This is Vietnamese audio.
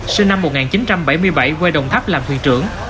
sinh năm một nghìn chín trăm bảy mươi bảy quê đồng tháp làm thuyền trưởng